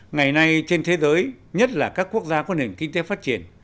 ngày nay trên thế giới nhất là các quốc gia có nền kinh tế phát triển